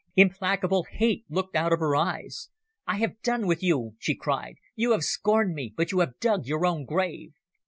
Implacable hate looked out of her eyes. "I have done with you," she cried. "You have scorned me, but you have dug your own grave."